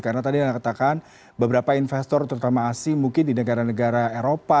karena tadi anda katakan beberapa investor terutama asing mungkin di negara negara eropa